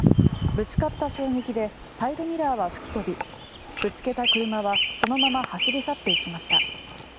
ぶつかった衝撃でサイドミラーは吹き飛びぶつけた車はそのまま走り去っていきました。